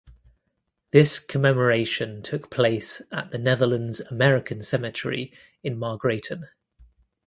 This commemoration took place at the Netherlands American Cemetery in Margraten.